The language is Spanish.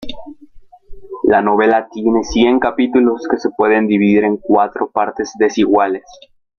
La novela tiene cien capítulos que se pueden dividir en cuatro partes desiguales.